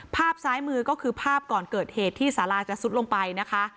ภาพซ้ายมือก็คือภาพก่อนเกิดเหตุที่สาราจะซุดลงไปนะคะ